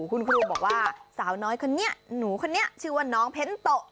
คุณครูบอกว่าสาวน้อยคนนี้หนูคนนี้ชื่อว่าน้องเพ้นโตะ